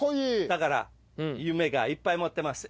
だから夢いっぱい持ってます。